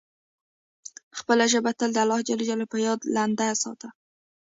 خپله ژبه تل د الله جل جلاله په یاد لنده ساته.